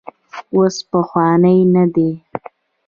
اوس پخوانی نه دی.